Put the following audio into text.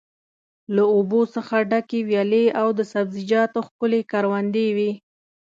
له اوبو څخه ډکې ویالې او د سبزیجاتو ښکلې کروندې وې.